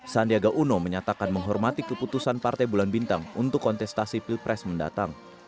sandiaga uno menyatakan menghormati keputusan partai bulan bintang untuk kontestasi pilpres mendatang